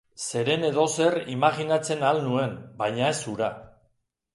Zeren edozer imajinatzen ahal nuen, baina ez hura.